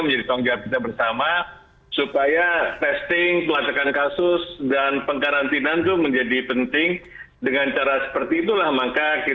masih tetap penurunan masih tetap landai